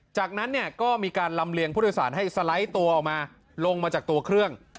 จากนั้นเนี่ยก็มีการลำเลียงผู้โดยสารให้สไลด์ตัวออกมาลงมาจากตัวเครื่อง